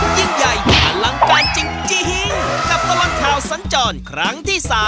ยิ่งใหญ่อลังการจริงกับตลอดข่าวสัญจรครั้งที่๓